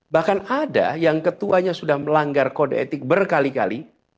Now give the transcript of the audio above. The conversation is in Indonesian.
bahkan ada yang ketuanya sudah melanggar kode etik berkali kali